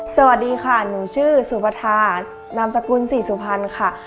สวัสดีค่ะหนูชื่อสุปทานามสกุลศรีสุพรรณค่ะ